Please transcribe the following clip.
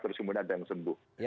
terus kemudian ada yang sembuh